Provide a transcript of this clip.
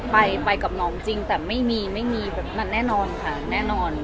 ไปไปกับน้องจริงแต่ไม่มีไม่มีแบบนั้นแน่นอนค่ะแน่นอน